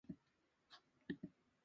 Keʼe lâmsì wa mfa a mbo mu wâ.